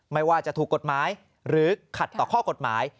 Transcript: ไม่ว่าจะถูกกฎหมายหรือขัดต่อข้อกฎหมาย